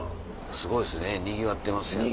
すごいですねにぎわってますよね。